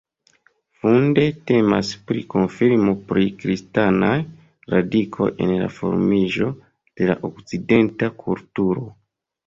Funde temas pri konfirmo pri kristanaj radikoj en la formiĝo de la okcidenta kulturo.